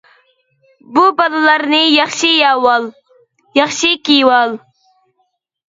بۇ بالىلارنى ياخشى يەۋال، ياخشى كىيىۋال.